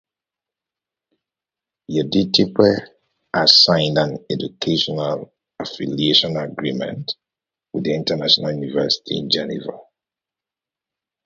Yeditepe has signed an educational affiliation agreement with the International University in Geneva.